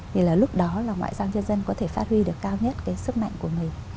thì là lúc đó là ngoại giao nhân dân có thể phát huy được cao nhất cái sức mạnh của mình